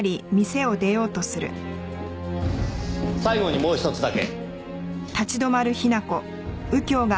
最後にもうひとつだけ。